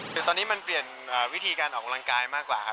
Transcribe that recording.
แต่ตอนนี้มันเปลี่ยนวิธีการออกกำลังกายมากกว่าครับ